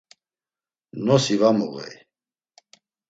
Nosi va muğey.